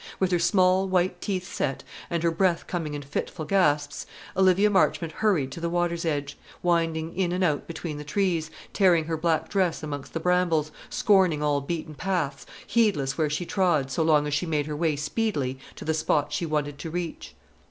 With her small white teeth set, and her breath coming in fitful gasps, Olivia Marchmont hurried to the water's edge, winding in and out between the trees, tearing her black dress amongst the brambles, scorning all beaten paths, heedless where she trod, so long as she made her way speedily to the spot she wanted to reach.